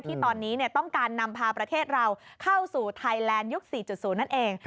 ที่ตอนนี้ต้องการนำพาประเทศเราเข้าสู่ไทยแลนด์ยุค๔๐นั่นเอง